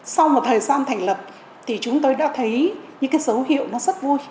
sau một thời gian thành lập thì chúng tôi đã thấy những cái dấu hiệu nó rất vui